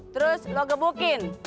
terus lo gebukin